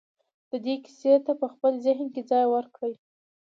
دې کيسې ته په خپل ذهن کې ځای ورکړئ.